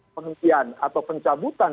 pengumpulan atau pencabutan